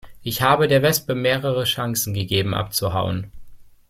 Ich habe der Wespe mehrere Chancen gegeben abzuhauen.